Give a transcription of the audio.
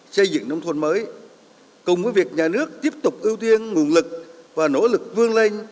xây dựng nông thôn mới cùng với việc nhà nước tiếp tục ưu tiên nguồn lực và nỗ lực vươn lên